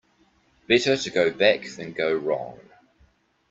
Better to go back than go wrong.